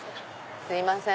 すいません。